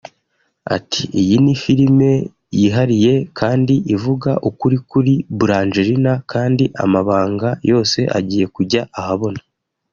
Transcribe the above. Ati "Iyi ni filime yihariye kandi ivuga ukuri kuri Brangelina kandi amabanga yose agiye kujya ahabona